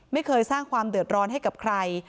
ไม่เคยสร้างความเดือดร้อนให้กับใคร